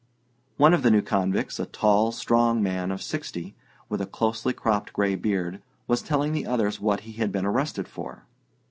One of the new convicts, a tall, strong man of sixty, with a closely cropped grey beard, was telling the others what be had been arrested for.